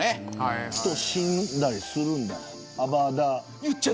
人死んだりするんだ。